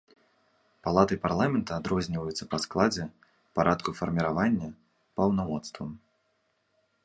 Палаты парламента адрозніваюцца па складзе, парадку фарміравання, паўнамоцтвам.